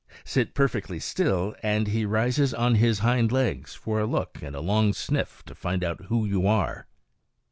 Sit perfectly still, and he rises on his hind legs for a look and a long sniff to find out who you are.